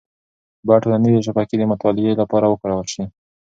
باید ټولنیز شبکې د مطالعې لپاره وکارول شي.